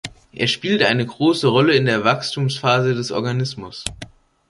Er spielt eine große Rolle in der Wachstumsphase des Organismus.